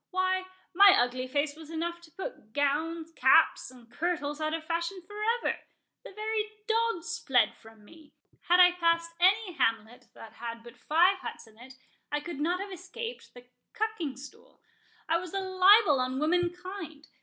Why, my ugly face was enough to put gowns, caps, and kirtles, out of fashion for ever—the very dogs fled from me—Had I passed any hamlet that had but five huts in it, I could not have escaped the cucking stool.—I was a libel on womankind.